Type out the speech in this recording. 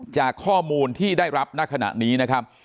จากข้อมูลที่ได้รับณขณะนี้นะครับ